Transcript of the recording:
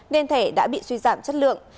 nên thẻ đã bị suy giảm chất lượng